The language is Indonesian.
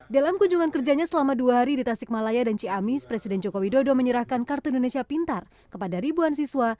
dalam kunjungan kerjanya selama dua hari di tasikmalaya dan ciamis presiden joko widodo menyerahkan kartu indonesia pintar kepada ribuan siswa